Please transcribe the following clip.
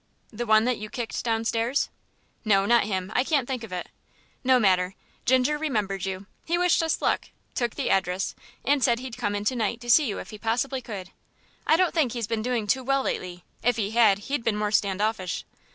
"The one that you kicked downstairs?" "No, not him; I can't think of it. No matter, Ginger remembered you; he wished us luck, took the address, and said he'd come in to night to see you if he possibly could. I don't think he's been doing too well lately, if he had he'd been more stand offish.